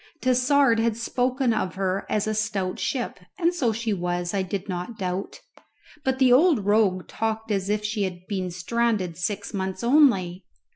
Tassard had spoken of her as a stout ship, and so she was, I did not doubt; but the old rogue talked as if she had been stranded six months only!